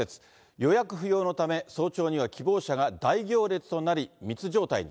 予約不要のため、早朝には希望者が大行列となり、密状態に。